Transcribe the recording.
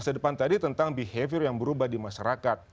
masa depan tadi tentang behavior yang berubah di masyarakat